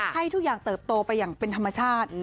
ให้ทุกอย่างเติบโตไปอย่างเป็นธรรมชาติ